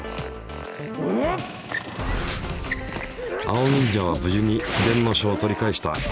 青忍者は無事に「秘伝の書」を取り返した。